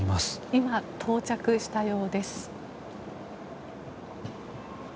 今、到着したようです。